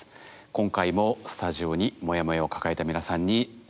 今回もスタジオにモヤモヤを抱えた皆さんに来ていただきました。